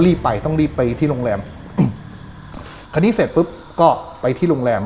รีบไปต้องรีบไปที่โรงแรมอืมคราวนี้เสร็จปุ๊บก็ไปที่โรงแรม